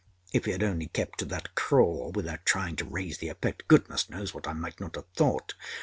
If he had only kept to that crawl without trying to raise the effect, goodness knows what I might not have thought.